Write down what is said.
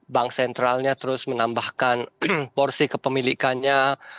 bank sentralnya terus menambahkan porsi kepemilikannya